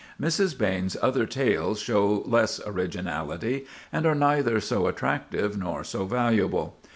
Mrs. Behn's other tales show less originality, and are neither so attractive nor so valuable.